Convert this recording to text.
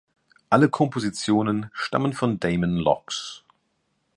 Alle Kompositionen stammen von Damon Locks.